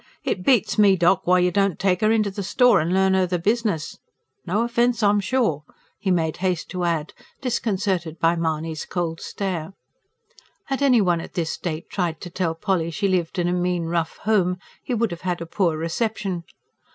It beats me, doc., why you don't take 'er inter the store and learn 'er the bizness. No offence, I'm sure," he made haste to add, disconcerted by Mahony's cold stare. Had anyone at this date tried to tell Polly she lived in a mean, rough home, he would have had a poor reception.